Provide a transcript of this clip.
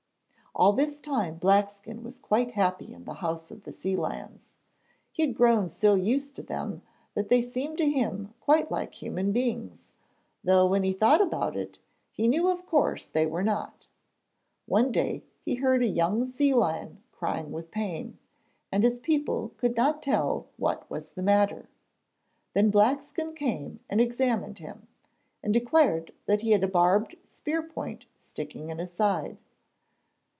All this time Blackskin was quite happy in the house of the sea lions. He had grown so used to them that they seemed to him quite like human beings, though when he thought about it, he knew of course they were not. One day he heard a young sea lion crying with pain, and his people could not tell what was the matter. Then Blackskin came and examined him, and declared that he had a barbed spear point sticking in his side.